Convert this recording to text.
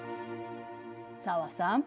紗和さん